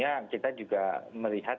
ya kita juga melihat